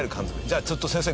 じゃあちょっと先生